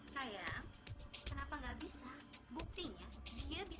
masa kamu nggak tahu shirah ros